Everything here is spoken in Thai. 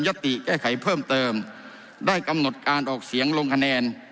ติแก้ไขเพิ่มเติมได้กำหนดการออกเสียงลงคะแนน